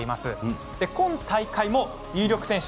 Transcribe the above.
今大会も有力選手